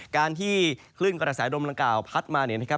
การที่คลื่นกระดาษสายดมลังกาวพัดมา